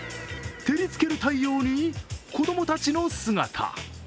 照りつける太陽に子供たちの姿。